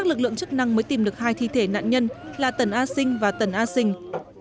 lực lượng chức năng mới tìm được hai thi thể nạn nhân là tần a sinh và tần a sinh